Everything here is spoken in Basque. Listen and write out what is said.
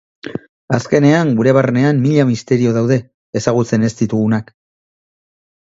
Azkenean, gure barnean mila misterio daude, ezagutzen ez ditugunak.